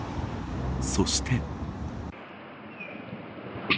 そして。